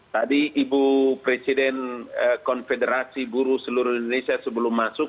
tadi ibu presiden konfederasi buruh seluruh indonesia sebelum masuk